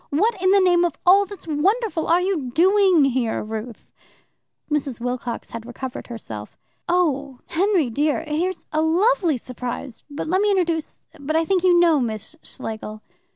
"What in the name of all that's wonderful are you doing here, Ruth?" Mrs. Wilcox had recovered herself. "Oh, Henry dear! here's a lovely surprise but let me introduce but I think you know Miss Schlegel."